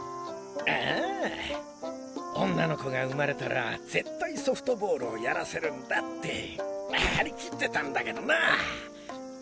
ああ女の子が生まれたら絶対ソフトボールをやらせるんだって張り切ってたんだけどなァ。